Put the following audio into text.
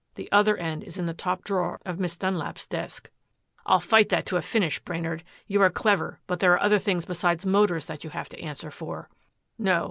The other end is in the top drawer of Miss Dunlap's desk." "I'll fight that to a finish, Brainard. You are clever but there are other things besides Motors that you have to answer for." "No.